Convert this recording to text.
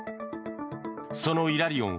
そのイラリオン